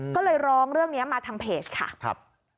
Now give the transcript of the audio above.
ก็เลยร้องเรื่องนี้มาทางเพจค่ะครับ